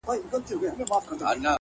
• وږی تږی د غار خوله کي غځېدلی ,